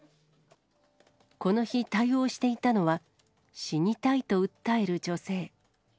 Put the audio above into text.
この日、対応していたのは、死にたいと訴える女性。